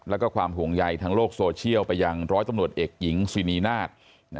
แล้วก็ความห่วงใยทางโลกโซเชียลไปยังร้อยตำรวจเอกหญิงซินีนาฏ